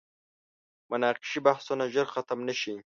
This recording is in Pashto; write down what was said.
مناقشې بحثونه ژر ختم نه شي.